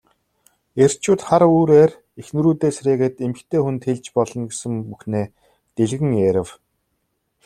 Эрчүүд хар үүрээр эхнэрүүдээ сэрээгээд эмэгтэй хүнд хэлж болно гэсэн бүхнээ дэлгэн ярив.